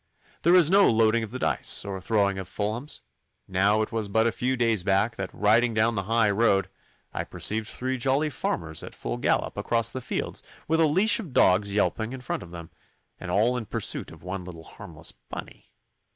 There is no loading of the dice, or throwing of fulhams. Now it was but a few days back that, riding down the high road, I perceived three jolly farmers at full gallop across the fields with a leash of dogs yelping in front of them, and all in pursuit of one little harmless bunny.